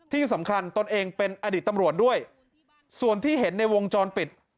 ที่สำคัญตนเองเป็นอดีตตำรวจด้วยส่วนที่เห็นในวงจรปิด